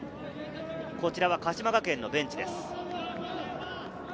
こちらは鹿島学園のベンチです。